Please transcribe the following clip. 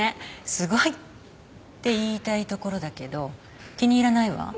すごいって言いたいところだけど気に入らないわ。